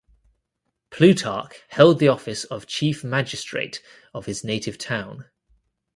Plutarch held the office of chief magistrate of his native town.